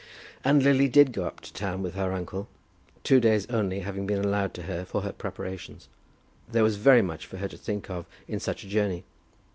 And Lily did go up to town with her uncle, two days only having been allowed to her for her preparations. There was very much for her to think of in such a journey.